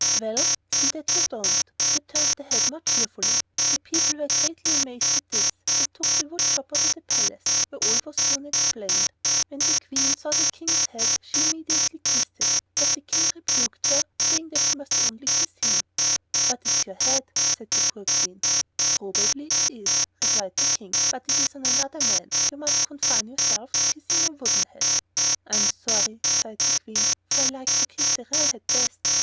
"Well, see that you don't," returned the head more cheerfully. The people were greatly amazed at this, and took the wood chopper to the palace, where all was soon explained. When the Queen saw the King's head she immediately kissed it; but the King rebuked her, saying she must kiss only him. "But it is your head," said the poor Queen. "Probably it is," replied the King; "but it is on another man. You must confine yourself to kissing my wooden head." "I'm sorry," sighed the Queen, "for I like to kiss the real head best."